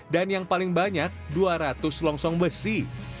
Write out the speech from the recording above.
dan yang paling banyak dua ratus selongsong besi